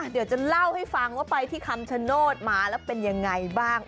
เดี๋ยวจะเล่าให้ฟังว่าไปที่คำชโนธมาแล้วเป็นยังไงบ้าง